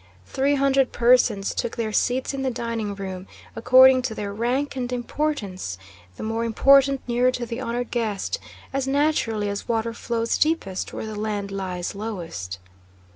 Three hundred persons took their seats in the dining room, according to their rank and importance: the more important nearer to the honored guest, as naturally as water flows deepest where the land lies lowest.